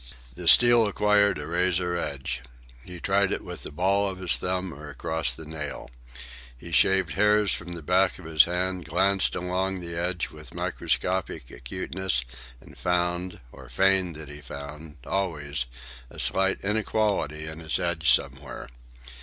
The steel acquired a razor edge. He tried it with the ball of his thumb or across the nail. He shaved hairs from the back of his hand, glanced along the edge with microscopic acuteness, and found, or feigned that he found, always, a slight inequality in its edge somewhere.